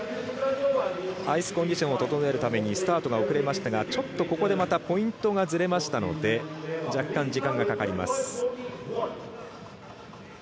アイスコンディションを整えるためにスタートが遅れましたがちょっと、ここでポイントがずれましたので若干、時間がかかります。